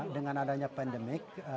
dengan adanya pandemi